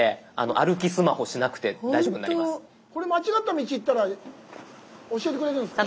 これ間違った道行ったら教えてくれるんですか？